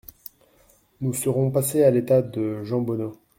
Nous serons passés à l’état de jambonneau.